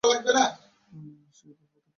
সে এই ভুল প্রথাকে ঠিক করতে বলে।